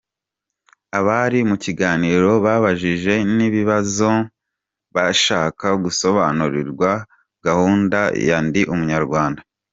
Abari mu kiganiro babajije n’ibibazo bashaka gusobanukirwa gahunda ya Ndi umunyarwanda.